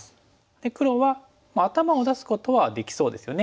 で黒は頭を出すことはできそうですよね。